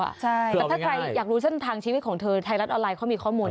แต่ถ้าใครอยากรู้เส้นทางชีวิตของเธอไทยรัฐออนไลน์เขามีข้อมูล